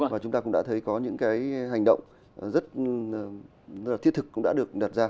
và chúng ta cũng đã thấy có những hành động rất thiết thực cũng đã được đặt ra